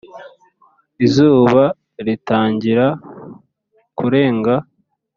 izuba ritangira kurenga,